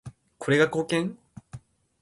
これが貢献？